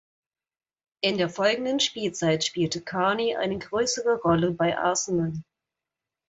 In der folgenden Spielzeit spielte Carney eine größere Rolle bei Arsenal.